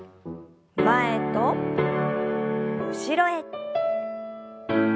前と後ろへ。